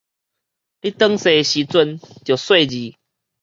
你轉踅的時陣著細膩